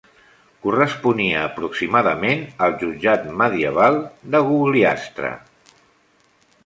Corresponia aproximadament al Jutjat medieval d'Agugliastra.